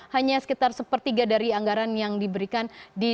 hanya sekitar sepertiga dari anggaran yang diberikan